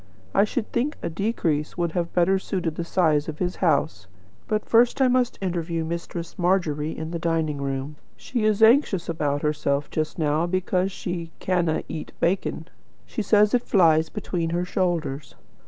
I should think a decrease would have better suited the size of his house. But first I must interview Mistress Margery in the dining room. She is anxious about herself just now because she 'canna eat bacon.' She says it flies between her shoulders.